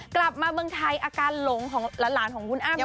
กลับมาเมืองไทยอาการหลงของหลานของคุณอ้ำ